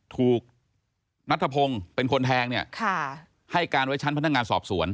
ถูกนัทธพงศ์เป็นคนแทงเนี่ยให้การไว้ชั้นพนักงานสอบสวน